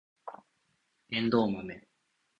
エンドウマメ